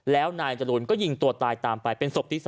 แล้วนายจรูนก็ยิงตัวตายตามไปเป็นศพที่๓